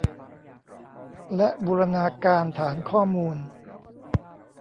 และบูรณาการฐานข้อมูล